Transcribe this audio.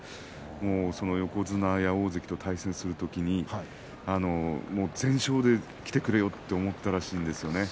横綱や大関と対戦する時に全勝できてくれよとそう思っていたようです。